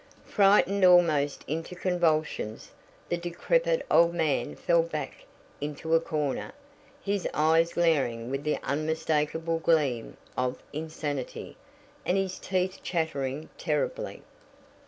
Frightened almost into convulsions, the decrepit old man fell back into a corner, his eyes glaring with the unmistakable gleam of insanity, and his teeth chattering terribly.